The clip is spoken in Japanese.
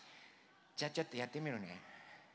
じゃあちょっとやってみるね。